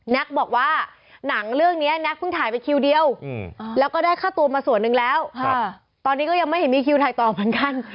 บอกว่าหนังเรื่องนี้แน็กเพิ่งถ่ายไปคิวเดียวแล้วก็ได้ค่าตัวมาส่วนหนึ่งแล้วตอนนี้ก็ยังไม่เห็นมีคิวถ่ายต่อเหมือนกัน